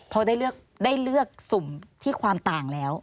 พอได้เลือกสุ่มที่ความต่างแล้ว